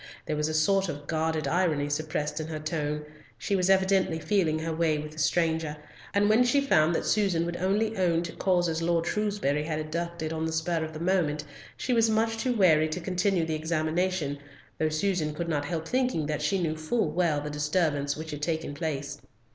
There was a sort of guarded irony suppressed in her tone—she was evidently feeling her way with the stranger, and when she found that Susan would only own to causes Lord Shrewsbury had adduced on the spur of the moment, she was much too wary to continue the examination, though Susan could not help thinking that she knew full well the disturbance which had taken place.